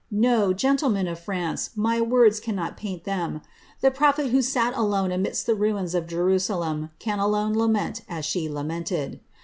N0| gentlemen of France, my words cannot paint them ; liie prophet who sat akms amidst the ruins of Jeru^lem can alono lament us bhe lamented.